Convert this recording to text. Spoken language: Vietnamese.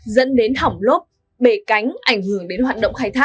dẫn đến hỏng lốp bể cánh ảnh hưởng đến hoạt động khai thác